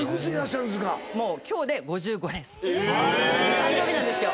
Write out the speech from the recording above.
誕生日なんです今日。